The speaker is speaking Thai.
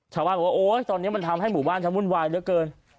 ชาวบ้านเขาเขียนว่าตอนนี้มันทำให้หมู่บ้านมื้อนวายเยอะเกิน